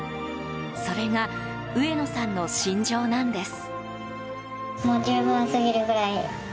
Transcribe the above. それが上野さんの信条なんです。